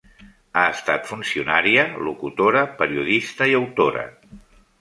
Ha estat funcionària, locutora, periodista i autora.